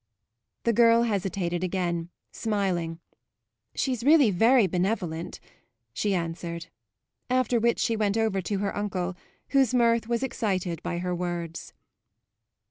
The girl hesitated again, smiling. "She's really very benevolent," she answered; after which she went over to her uncle, whose mirth was excited by her words.